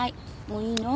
もういいの？